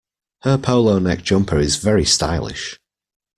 Her polo neck jumper is very stylish